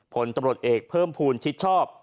ผลตำรวจเอกเพิ่มภูมิชิดชอบ